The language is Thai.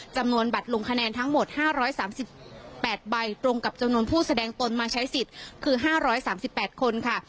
จำนวนบัตรลงคะแนนทั้งหมด๕๓๘ใบตรงกับจำนวนผู้แสดงตนมาใช้สิทธิ์คือ๕๓๘คนค่ะ